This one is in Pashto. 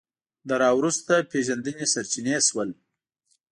د راوروسته پېژندنې سرچینې شول